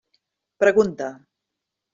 Pregunta.